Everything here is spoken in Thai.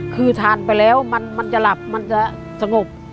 คือทานไปแล้วมันจะหลับมันจะสงบ